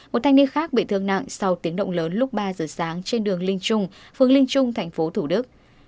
một thanh niên khác bị thương nặng sau tiếng động lớn lúc ba giờ sáng trên đường linh trung phường linh trung tp hcm